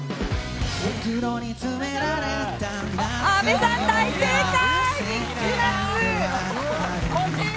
阿部さん、大正解！